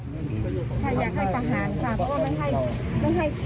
ใช่อยากให้ประหารค่ะ